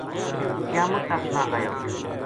قیامت تک نہ ایو